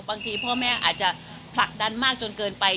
พ่อแม่อาจจะผลักดันมากจนเกินไป